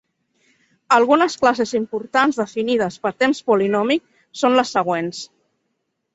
Algunes classes importants definides per temps polinòmic són les següents.